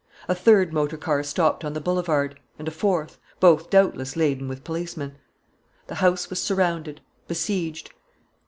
A third motor car stopped on the boulevard, and a fourth, both doubtless laden with policemen. The house was surrounded, besieged.